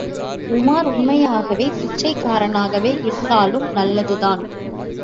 உமார் உண்மையாகவே பிச்சைக்காரனாகவே இருந்தாலும் நல்லதுதான்.